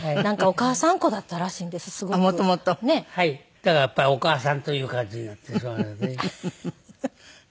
だからやっぱりお母さんという感じになってしまうんですね。